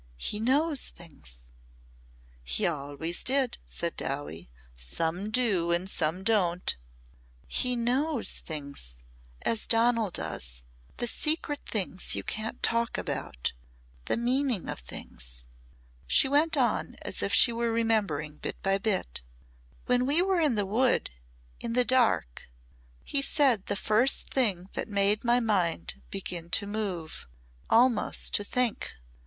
"He knows things." "He always did," said Dowie. "Some do and some don't." "He knows things as Donal does. The secret things you can't talk about the meaning of things." She went on as if she were remembering bit by bit. "When we were in the Wood in the dark, he said the first thing that made my mind begin to move almost to think.